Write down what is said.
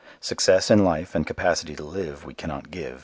Success in life and capacity to live we cannot give.